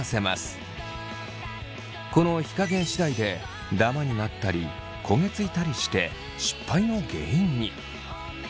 この火加減次第でダマになったり焦げ付いたりして失敗の原因に。